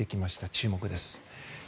注目です。